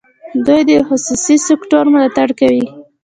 دوی د خصوصي سکټور ملاتړ کوي.